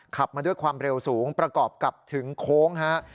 ขับมาด้วยความเร็วสูงประกอบกับถึงโค้งฮะ